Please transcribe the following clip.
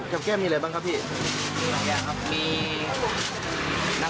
ขับกับอย่างเพื่อ